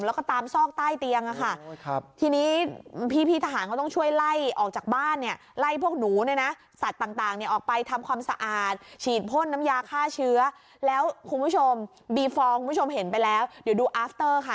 แล้วคุณผู้ชมมุมชมเห็นไปแล้วเดี๋ยวดูอาฟเตอร์ค่ะ